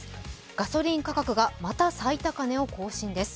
ガソリン価格がまた最高値を更新です。